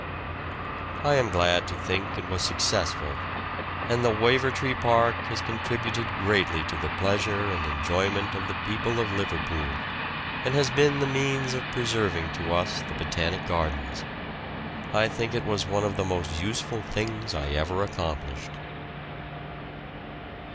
I am glad to think it was successful, and the Wavertree Park has contributed greatly to the pleasure and enjoyment of the people of Liverpool, and has been the means of preserving to us the Botanic Gardens. I think it was one of the most useful things I ever accomplished.